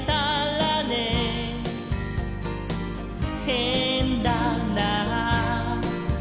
「へんだなぁ」